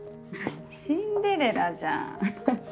シンデレラじゃん。